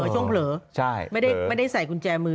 ช่วงเผลอไม่ได้ใส่กุญแจมือ